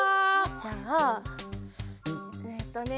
じゃあえっとね。